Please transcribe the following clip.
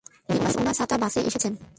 উনি ওনার ছাতা বাসে ভুলে এসেছেন।